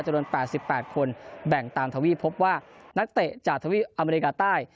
จะโดนแปดสิบแปดคนแบ่งตามทวีฟพบว่านักเตะจากทวีฟอเมริกาใต้